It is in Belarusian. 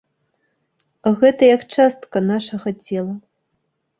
Гэта як частка нашага цела.